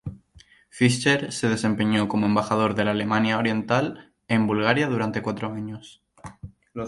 Fischer se desempeñó como embajador de la Alemania Oriental en Bulgaria durante cuatro años.